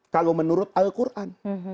kalau menurut al quran